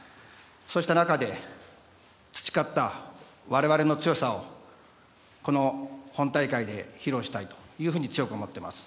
そうした中で培った我々の強さをこの本大会で披露したいと強く思っています。